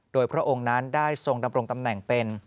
โดยพระองค์นั้นได้ทรงดำรงตำแหน่งเป็น